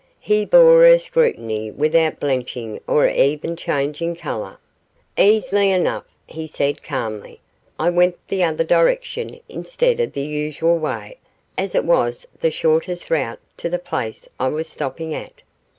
He bore her scrutiny without blenching or even changing colour. 'Easily enough,' he said, calmly, 'I went the other direction instead of the usual way, as it was the shortest route to the place I was stopping at.